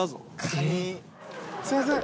すいません。